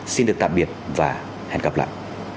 xin được tạm biệt và hẹn gặp lại